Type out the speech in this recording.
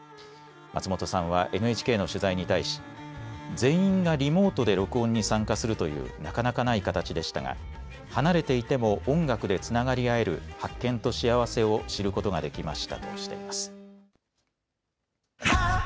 松本さんはＮＨＫの取材に対し全員がリモートで録音に参加するというなかなかない形でしたが離れていても音楽でつながり合える発見と幸せを知ることができましたとしています。